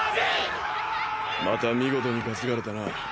また見事に担がれたな。